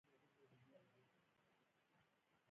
لکۍ او بوکۍ موجودې وې، د اورګاډي پر مخکنیو ډبو.